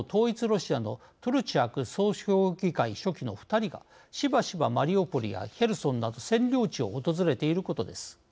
ロシアのトゥルチャク総評議会書記の２人がしばしばマリウポリやヘルソンなど占領地を訪れていることです。